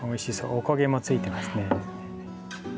お焦げもついてますね。